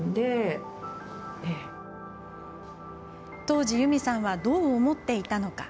当時、ユミさんはどう思っていたのか。